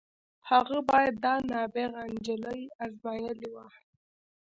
هغه بايد دا نابغه نجلۍ ازمايلې وای.